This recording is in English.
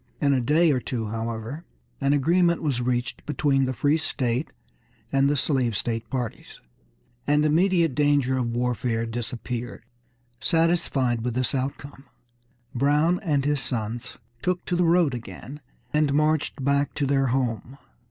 In a day or two, however, an agreement was reached between the free state and the slave state parties, and immediate danger of warfare disappeared. Satisfied with this outcome, Brown and his sons took to the road again, and marched back to their home.